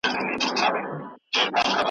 له مرحوم انجنیر سلطان جان کلیوال سره مي .